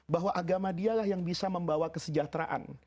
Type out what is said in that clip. bahwa agama dialah yang bisa membawa kesejahteraan